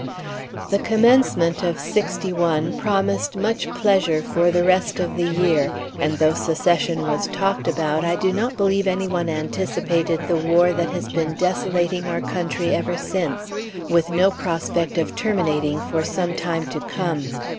The commencement of '61 promised much pleasure for the rest of the year, and though Secession was talked about, I do not believe any one anticipated the war that has been desolating our country ever since, with no prospect of terminating for some time to come.